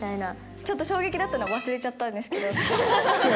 ちょっと衝撃だったのは忘れちゃったんですけど。